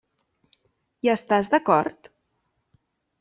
Hi estàs d'acord?